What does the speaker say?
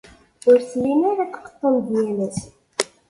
Ur tellim ara tqeḍḍum-d yal ass.